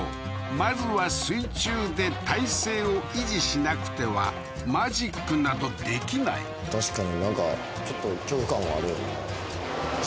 まずは水中で体勢を維持しなくてはマジックなどできない確かになんかちょっと恐怖感はあるよね